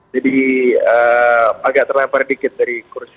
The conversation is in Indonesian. jadi agak terlempar dikit dari kursi